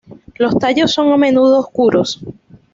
Los tallos son a menudo oscuros.